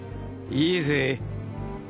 いいぜ。